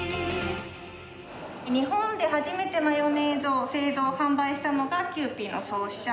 日本で初めてマヨネーズを製造販売したのがキユーピーの創始者